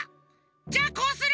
じゃあこうする！